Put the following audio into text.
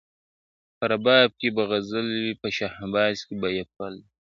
په رباب کي به غزل وي په شهباز کي به یې پل وي !.